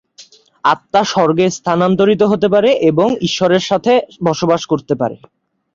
আত্মা স্বর্গে স্থানান্তরিত হতে পারে এবং ঈশ্বরের সাথে বসবাস করতে পারে।